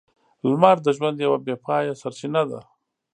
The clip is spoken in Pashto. لمر د ژوند یوه بې پايه سرچینه ده.